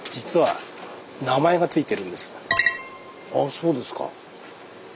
そうですか。